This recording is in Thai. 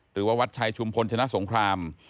หรือว่าวัดชัยชุมพลชนะสงคราม